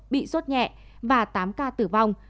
bị sốt nhẹ và tám ca tử vong